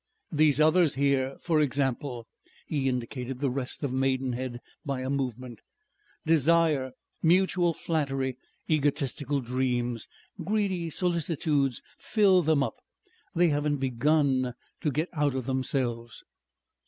These others here, for example...." He indicated the rest of Maidenhead by a movement. "Desire, mutual flattery, egotistical dreams, greedy solicitudes fill them up. They haven't begun to get out of themselves."